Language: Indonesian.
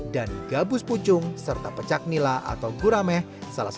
dan gabus pucung serta pecak nila atau gurameh salah satu